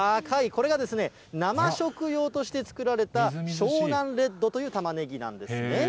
これが生食用として作られた、湘南レッドというたまねぎなんですね。